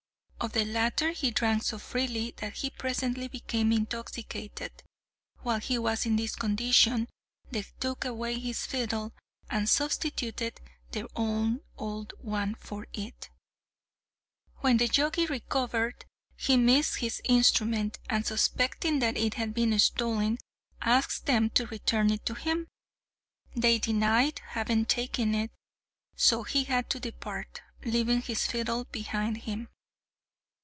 Of the latter he drank so freely that he presently became intoxicated. While he was in this condition, they took away his fiddle, and substituted their own old one for it. When the Jogi recovered, he missed his instrument, and suspecting that it had been stolen asked them to return it to him. They denied having taken it, so he had to depart, leaving his fiddle behind him.